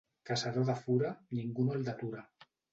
Caçador de fura, ningú no el detura.